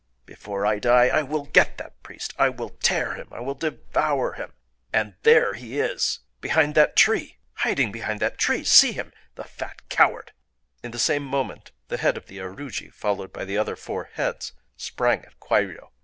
Before I die I will get at that priest!—I will tear him!—I will devour him!... And there he is—behind that tree!—hiding behind that tree! See him!—the fat coward!"... In the same moment the head of the aruji, followed by the other four heads, sprang at Kwairyō.